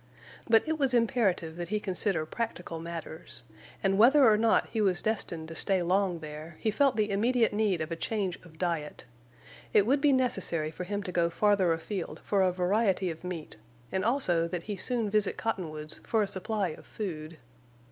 But it was imperative that he consider practical matters; and whether or not he was destined to stay long there, he felt the immediate need of a change of diet. It would be necessary for him to go farther afield for a variety of meat, and also that he soon visit Cottonwoods for a supply of food.